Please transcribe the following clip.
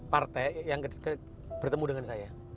partai yang bertemu dengan saya